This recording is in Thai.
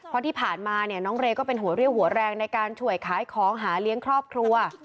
เพราะที่ผ่านมาเนี่ยน้องเรย์ก็เป็นหัวเรี่ยวหัวแรงในการช่วยขายของหาเลี้ยงครอบครัว